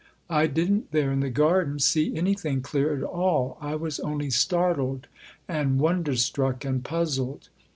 I didn't there in the garden see anything clear at all I was only startled and wonder struck and puzzled.